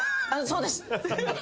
そうです。